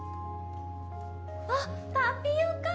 あっタピオカ。